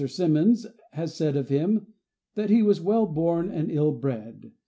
Symonds has said of him that he was well born and ill bred.